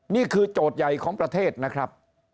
โจทย์ใหญ่ของประเทศนะครับ